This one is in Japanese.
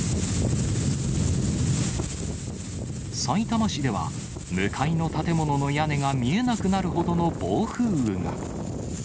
さいたま市では、向かいの建物の屋根が見えなくなるほどの暴風雨が。